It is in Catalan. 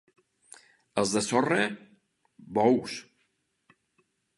Els de Sorre, bous.